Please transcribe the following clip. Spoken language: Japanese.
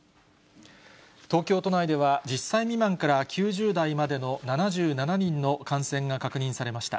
東京都内では、１０歳未満から９０代までの７７人の感染が確認されました。